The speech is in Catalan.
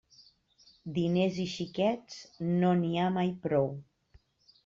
Diners i xiquets, no n'hi ha mai prou.